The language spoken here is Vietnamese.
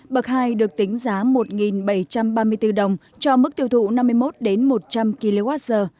bậc hai được tính giá một bảy trăm ba mươi bốn đồng cho mức tiêu thụ năm mươi một một trăm linh kwh